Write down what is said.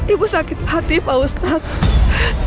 ibu sakit hati pak ustadz